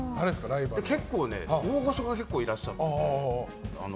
結構大御所がいらっしゃって。